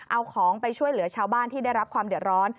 เอาของไปช่วยเหลือชาวบ้านที่ได้รับความเดือดร้อน